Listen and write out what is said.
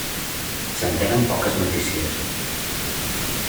Se'n tenen poques notícies.